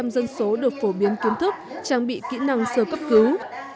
một năm dân số được phổ biến kiến thức trang bị kỹ năng sơ cấp cứu